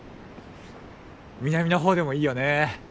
南の方でもいいよね。